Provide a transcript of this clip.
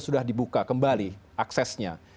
sudah dibuka kembali aksesnya